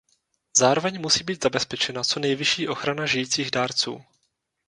Zároveň musí být zabezpečena co nejvyšší ochrana žijících dárců.